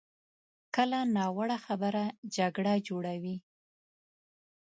کله ناوړه خبره جګړه جوړوي.